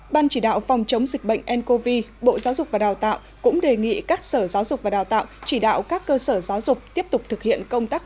ban chỉ đạo phòng chống dịch bệnh ncov bộ giáo dục và đào tạo cũng đề nghị các sở giáo dục và đào tạo chỉ đạo các cơ sở giáo dục